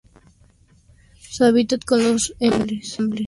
Su hábitat son los herbazales secos y las zonas de matorral.